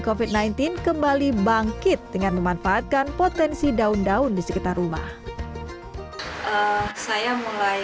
covid sembilan belas kembali bangkit dengan memanfaatkan potensi daun daun di sekitar rumah saya mulai